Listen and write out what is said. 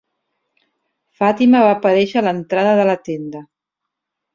Fatima va aparèixer a l'entrada de la tenda.